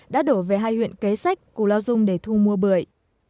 đã đổ về hai huyện kế sách cù lao dung để thu mua bưởi